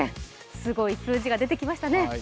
すごい数字が出てきましたね。